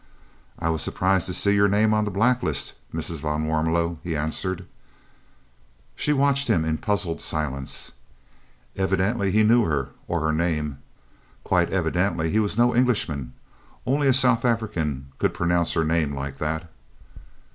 "I was surprised to see your name on the black list, Mrs. van Warmelo," he answered. She watched him in puzzled silence. Evidently he knew her, or her name. Quite evidently he was no Englishman only a South African could pronounce her name like that.